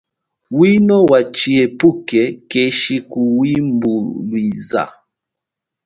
Wino wa tshihepuke keshi kuwimbulwiza.